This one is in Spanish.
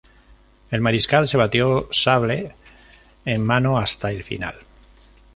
El Mariscal se batió sable en mano hasta el final.